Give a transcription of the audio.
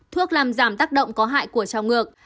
thuốc làm giảm tác động có hại của trào ngược